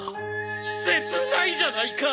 切ないじゃないか！